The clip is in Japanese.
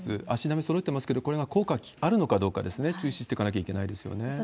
足並みそろえてますけど、これは効果があるのかどうかですね、注視してかなきゃいけないですよね。